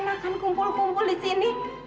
kalian enak enakan kumpul kumpul di sini